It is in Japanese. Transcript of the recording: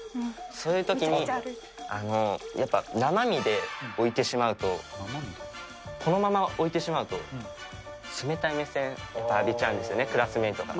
そういうときにやっぱ生身で置いてしまうと、このまま置いてしまうと、冷たい目線、浴びちゃうんですよね、クラスメートから。